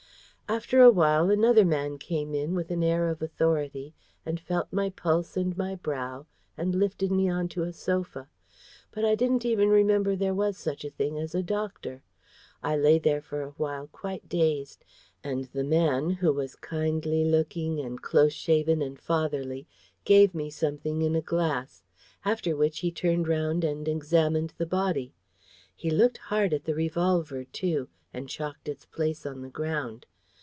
After a while, another man came in, with an air of authority, and felt my pulse and my brow, and lifted me on to a sofa. But I didn't even remember there was such a thing as a doctor. I lay there for a while, quite dazed; and the man, who was kindly looking and close shaven and fatherly, gave me something in a glass: after which he turned round and examined the body. He looked hard at the revolver, too, and chalked its place on the ground.